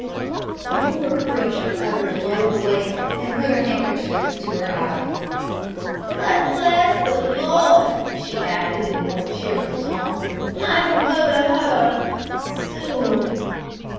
The poor creature uttered a low wail, and put a handkerchief to her old eyes. "But, bless the Lord!" she added in a more cheerful tone, "I will go to her soon."